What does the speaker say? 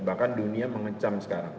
bahkan dunia mengecam sekarang